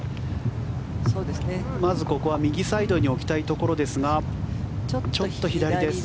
まずここは右サイドに置きたいところですがちょっと左です。